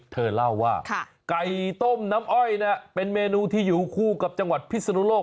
เธอเล่าว่าไก่ต้มน้ำอ้อยเป็นเมนูที่อยู่คู่กับจังหวัดพิศนุโลก